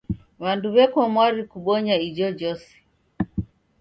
W'andu w'eko mwari kubonya ijojose.